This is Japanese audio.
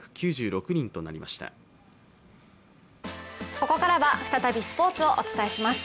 ここからは再びスポーツをお伝えします。